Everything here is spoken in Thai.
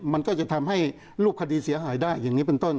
มันก็จะทำให้รูปคดีเสียหายได้อย่างนี้เป็นต้น